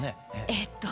えっと